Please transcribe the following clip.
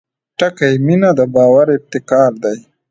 • مینه د باور ابتکار دی.